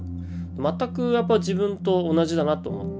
全く自分と同じだなと思って。